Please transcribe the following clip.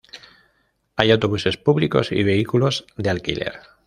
Hay autobuses públicos y vehículos de alquiler.